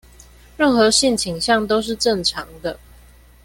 任何性傾向都是正常的